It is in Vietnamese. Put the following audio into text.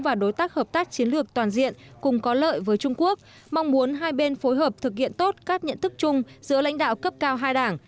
và đối tác hợp tác chiến lược toàn diện cùng có lợi với trung quốc mong muốn hai bên phối hợp thực hiện tốt các nhận thức chung giữa lãnh đạo cấp cao hai đảng